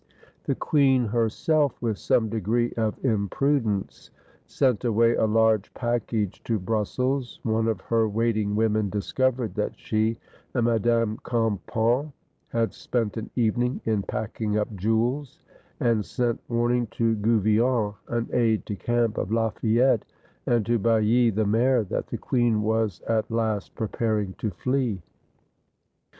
The queen, herself, with some degree of impru dence, sent away a large package to Brussels; one of her waiting women discovered that she and Madame Cam pan had spent an evening in packing up jewels, and sent warning to Gouvion, an aide de camp of Lafayette, and to Bailly, the mayor, that the queen was at last preparing to flee.